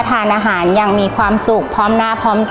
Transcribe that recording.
ทางโรงเรียนยังได้จัดซื้อหม้อหุงข้าวขนาด๑๐ลิตร